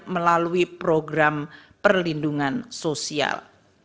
melalui program perlindungan sosial